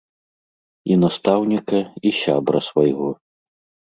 І настаўніка, і сябра свайго.